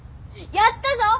やったぞッ！